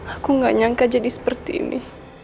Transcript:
aku gak nyangka jadi seperti ini